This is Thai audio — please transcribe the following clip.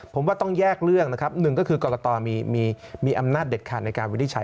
ผมว่าต้องแยกเรื่องนะครับหนึ่งก็คือกรกตมีอำนาจเด็ดขาดในการวินิจฉัย